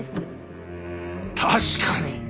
確かに。